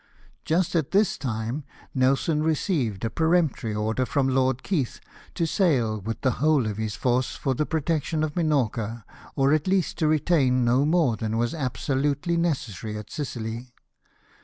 Just at this time Nelson received a peremptory order from Lord Keith to sail with the whole of his force for the protection of Minorca, or at least to retain no more than was absolutely neces sary at Sicily.